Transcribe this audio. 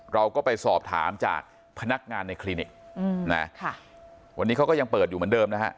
เราก็ไปสอบถามจากพนักงานในคลินิกนะวันนี้เขาก็ยังเปิดอยู่เหมือนเดิมนะฮะ